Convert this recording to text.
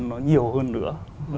nó nhiều hơn nữa